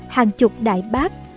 hàng chục đại bác